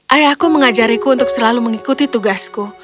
ayahku mengajariku untuk selalu mengikuti tugasku